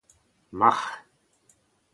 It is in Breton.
marc'h